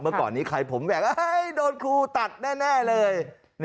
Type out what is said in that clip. เมื่อก่อนนี้ใครผมแหวกโดนครูตัดแน่เลย